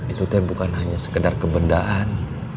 itu tuh yang bukan hanya sekedar kebendaan